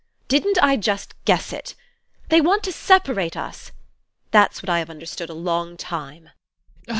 Didn't I just guess it! They want to separate us! That's what I have understood a long time!